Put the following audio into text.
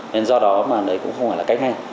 nên do đó mà đấy cũng không phải là cách hay